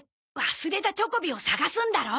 忘れたチョコビを探すんだろ？